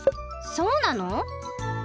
そうなの？